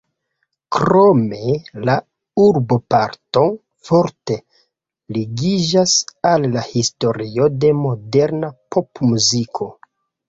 Krome la urboparto forte ligiĝas al la historio de moderna popmuziko.